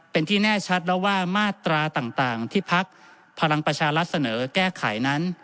เป็นที่แน่ชัดแล้วว่ามาตราต่างที่พักพลังประชารัฐเสนอแก้ไขนั้น